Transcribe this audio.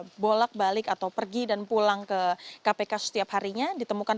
orang yang belum ada balik atau pergi dan pulang ke kpk setiap harinya ditemukan